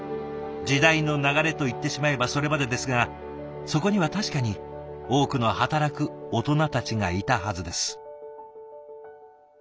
時代の流れと言ってしまえばそれまでですがそこには確かに多くの働くオトナたちがいたはずです。